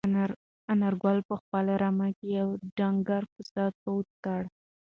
انارګل په خپله رمه کې یو ډنګر پسه تداوي کړ.